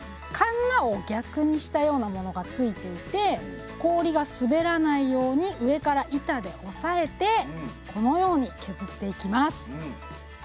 鉋を逆にしたようなものが付いていて氷が滑らないように上から板で押さえてこのように削っていきます。